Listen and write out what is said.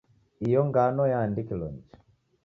Iyo ngano yaandikilo nicha.